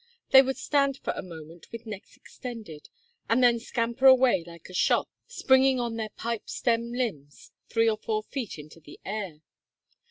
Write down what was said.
They would stand for a moment with necks extended, and then scamper away like a shot, springing on their pipe stem limbs three or four feet into the air.